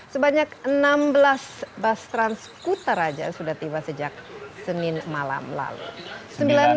sebanyak enam belas bus transkutaraja sudah tiba sejak senin malam lalu